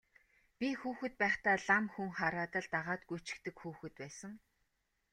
Би хүүхэд байхдаа лам хүн хараад л дагаад гүйчихдэг хүүхэд байсан.